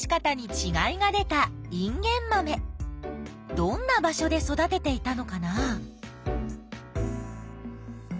どんな場所で育てていたのかな？